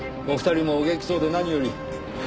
お二人もお元気そうで何より。